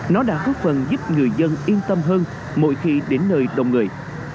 nó đã góp phần giúp người dân yên tâm hơn mỗi khi đến nơi đông người